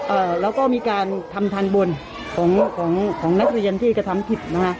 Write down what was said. เอ่อแล้วก็มีการทำทันบนของของของนักเรียนที่กระทำผิดนะคะ